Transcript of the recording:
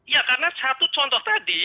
ya karena satu contoh tadi